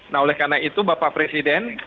nah oleh karena itu bapak presiden